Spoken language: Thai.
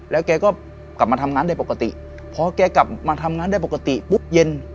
แล้วแกก็กลับมาทำงานได้ปกติพอแกกลับมาทำงานได้ปกติปุ๊บเย็น